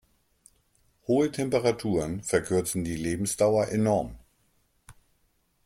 Hohe Temperaturen verkürzen die Lebensdauer enorm.